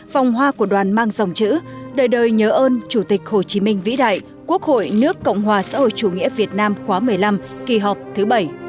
vòng hoa của đoàn mang dòng chữ đời đời nhớ ơn chủ tịch hồ chí minh vĩ đại quốc hội nước cộng hòa xã hội chủ nghĩa việt nam khóa một mươi năm kỳ họp thứ bảy